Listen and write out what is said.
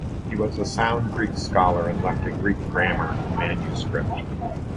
He was a sound Greek scholar, and left a Greek grammar in manuscript.